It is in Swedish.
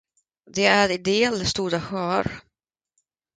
Det är idel stora sjöar.